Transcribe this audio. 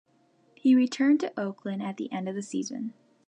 He returned to Oakland at the end of the season.